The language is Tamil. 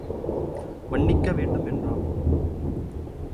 மன்னிக்க வேண்டும் என்றான்.